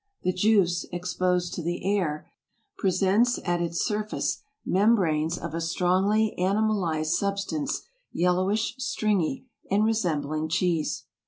The juice, exposed to the air, presents at its surface membranes of a strongly animalized substance, yellowish, stringy, and resembling cheese.